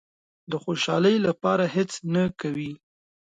د خوشالۍ لپاره هېڅ نه کوي.